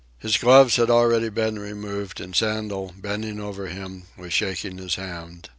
His gloves had already been removed, and Sandel, bending over him, was shaking his hand.